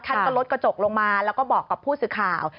ท่านก็ลดกระจกลงมาแล้วก็บอกกับผู้สื่อข่าว